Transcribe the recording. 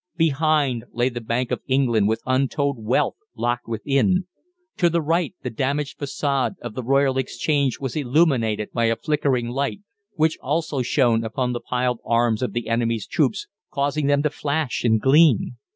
Behind lay the Bank of England with untold wealth locked within: to the right the damaged façade of the Royal Exchange was illuminated by a flickering light, which also shone upon the piled arms of the enemy's troops, causing them to flash and gleam.